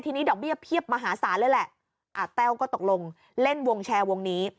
ทีนี้ดอกเบี้ยเพียบมหาศาลเลยแหละแต้วก็ตกลงเล่นวงแชร์วงนี้